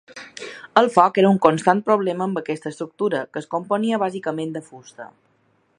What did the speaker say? El foc era un constant problema amb aquesta estructura, que es componia bàsicament de fusta.